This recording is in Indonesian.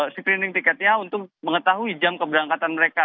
screening tiketnya untuk mengetahui jam keberangkatan mereka